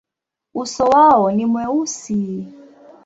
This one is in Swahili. Uso wao ni mweusi.